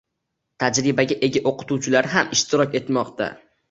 Tajribaga ega o‘qituvchilar ham ishtirok etmoqda.